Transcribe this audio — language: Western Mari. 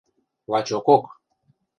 – Лачокок!